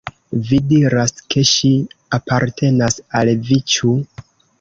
Vi diras, ke ŝi apartenas al vi, ĉu!